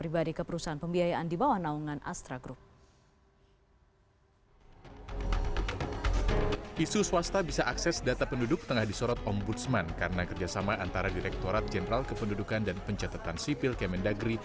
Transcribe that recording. bisa akses data penduduk tengah disorot om budsman karena kerjasama antara direkturat jenderal kependudukan dan pencatatan sipil kemendagri